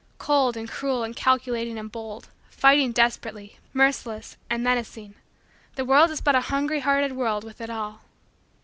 Cold and cruel and calculating and bold, fighting desperately, merciless, and menacing, the world is but a hungry hearted world with it all.